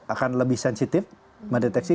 akan lebih sensitif mendeteksi